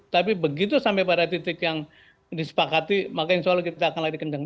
tapi begitu sampai pada titik yang disepakati maka insya allah kita akan lari kendeng